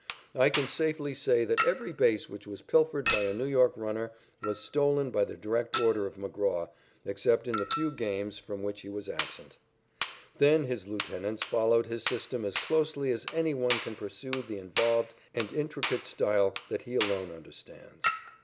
I can safely say that every base which was pilfered by a New York runner was stolen by the direct order of McGraw, except in the few games from which he was absent. Then his lieutenants followed his system as closely as any one can pursue the involved and intricate style that he alone understands.